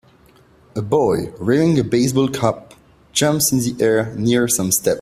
A boy, wearing a baseball cap, jumps in the air near some steps.